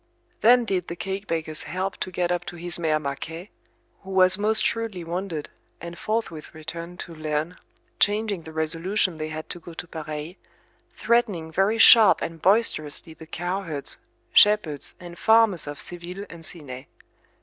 Then did the cake bakers help to get up to his mare Marquet, who was most shrewdly wounded, and forthwith returned to Lerne, changing the resolution they had to go to Pareille, threatening very sharp and boisterously the cowherds, shepherds, and farmers of Seville and Sinays.